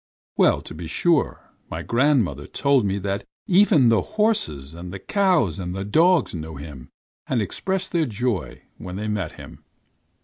Well, to be sure, my grandmother told me that even the horses and the cows and the dogs knew him and expressed their joy when they met him.